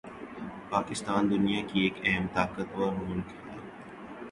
پاکستان دنیا کا ایک اہم طاقتور ملک ہے